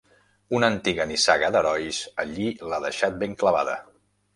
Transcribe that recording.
Una antiga nissaga d'herois allí l'ha deixat ben clavada.